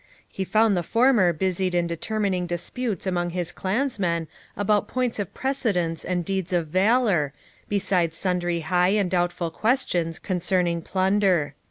He found the former busied in determining disputes among his clansmen about points of precedence and deeds of valour, besides sundry high and doubtful questions concerning plunder.